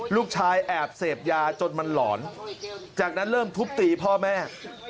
ลูกชายแอบเสพยาจนมันหลอนจากนั้นเริ่มทุบตีพ่อแม่